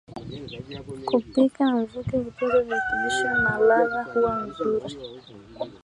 Kupika kwa mvuke hutunza virutubisho na ladha huwa nzuri